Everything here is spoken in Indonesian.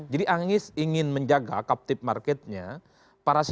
jadi anies ingin menjaga captive marketnya